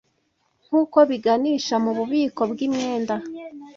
nkuko biganisha mu bubiko bwimyenda